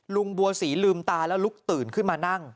ลุงบัวศรีลืมตาแล้วลุกตื่นขึ้นมานั่ง